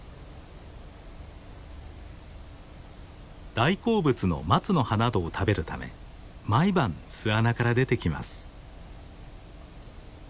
大好物のマツの葉などを食べるため毎晩巣穴から出てきます。